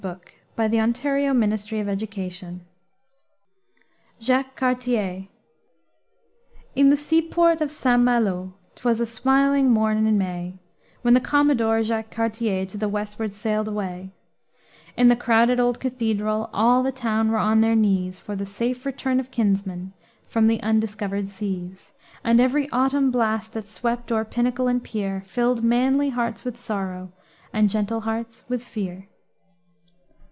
PARKMAN: "Frontenac and New France." (Adapted) JACQUES CARTIER In the seaport of St. Malo, 'twas a smiling morn in May, When the Commodore Jacques Cartier to the westward sailed away; In the crowded old Cathedral, all the town were on their knees, For the safe return of kinsmen from the undiscovered seas; And every autumn blast that swept o'er pinnacle and pier, Filled manly hearts with sorrow, and gentle hearts with fear.